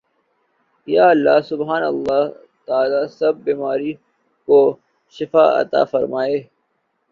یا اللّٰہ سبحان اللّٰہ تعالی سب بیماروں کو شفاء عطاء فرمائے آمین ثم آمین